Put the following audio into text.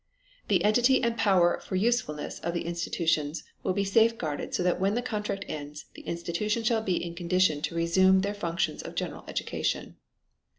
The entity and power for usefulness of the institutions will be safeguarded so that when the contract ends the institutions shall be in condition to resume their functions of general education.